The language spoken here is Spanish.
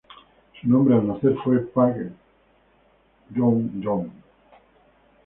Su nombre al nacer fue Park Young Jong.